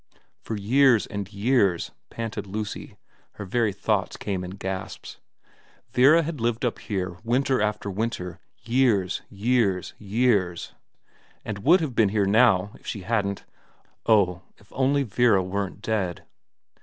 For years and years, panted Lucy her very thoughts came in gasps Vera lived up here winter after winter, years, years, years, and would have been here now if she hadn't oh, if only Vera weren't dead